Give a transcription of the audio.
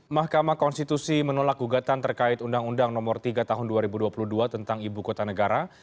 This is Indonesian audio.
mahkamah konstitusi menolak gugatan terkait undang undang nomor tiga tahun dua ribu dua puluh dua tentang ibu kota negara